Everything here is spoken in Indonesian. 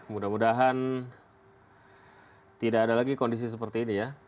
mudah mudahan tidak ada lagi kondisi seperti ini ya